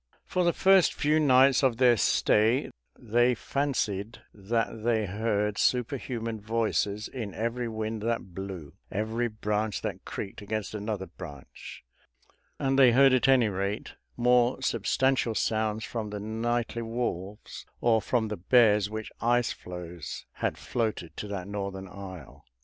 For the first few nights of their stay, they fancied that they heard superhuman voices in every wind that blew, every branch that creaked against another branch; and they heard, at any rate, more substantial sounds from the nightly wolves or from the bears which ice floes had floated to that northern isle.